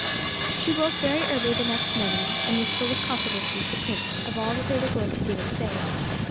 She woke very early the next morning, and was full of confidences to Prince of all that they were going to do and say.